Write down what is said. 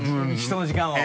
人の時間を。